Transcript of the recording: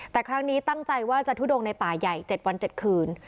แต่ครั้งนี้ตั้งใจว่าจะทุดงในป่าใหญ่๗วัน๗คืน